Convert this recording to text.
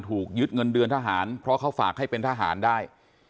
ถูกยึดเงินเดือนทหารเพราะเขาฝากให้เป็นทหารได้